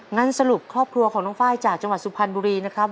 งั้นสรุปครอบครัวของน้องไฟล์จากจังหวัดสุพรรณบุรีนะครับ